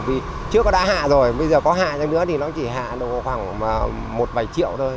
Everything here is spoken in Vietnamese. vì trước nó đã hạ rồi bây giờ có hạ cho nữa thì nó chỉ hạ được khoảng một vài triệu thôi